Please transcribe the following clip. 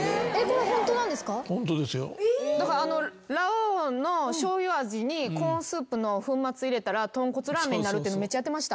ラ王の醤油味にコーンスープの粉末入れたらとんこつラーメンになるってのめっちゃやってました。